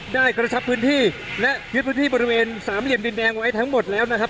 กระชับพื้นที่และยึดพื้นที่บริเวณสามเหลี่ยมดินแดงไว้ทั้งหมดแล้วนะครับ